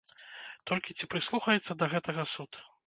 Толькі ці прыслухаецца да гэтага суд?